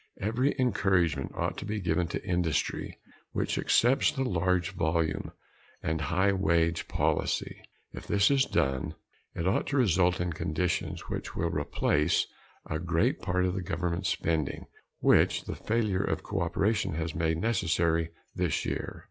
Every encouragement ought to be given to industry which accepts the large volume and high wage policy. If this is done, it ought to result in conditions which will replace a great part of the government spending which the failure of cooperation has made necessary this year.